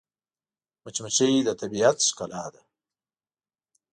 مچمچۍ د طبیعت ښکلا ده